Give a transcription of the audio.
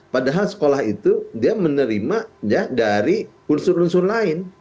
padahal sekolah itu dia menerima dari unsur unsur lain